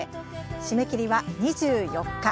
締め切りは２４日。